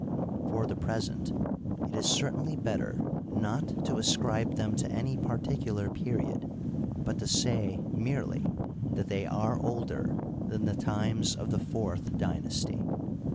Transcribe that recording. For the present it is certainly better not to ascribe them to any particular period, but to say merely that they are older than the times of the fourth dynasty.